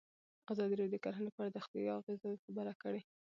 ازادي راډیو د کرهنه په اړه د روغتیایي اغېزو خبره کړې.